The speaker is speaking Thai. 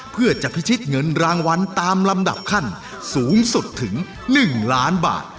เพื่อจะพิชิตเงินรางวัลตามลำดับขั้นสูงสุดถึง๑ล้านบาท